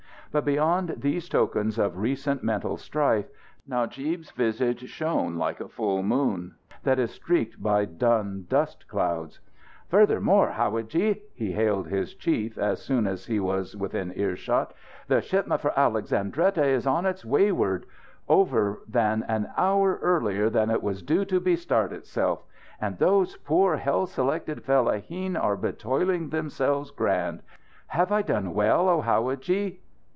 But, beyond these tokens of recent mental strife, Najib's visage shone like a full moon that is streaked by dun dust clouds. "Furthermore, howadji!" he hailed his chief as soon as he was within earshot, "the shipment for Alexandretta is on its wayward over than an hour earlier than it was due to bestart itself. And those poor hell selected fellaheen are betoiling themselfs grand. Have I done well, oh, howadji?"